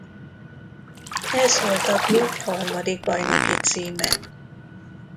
Ez volt a klub harmadik bajnoki címe.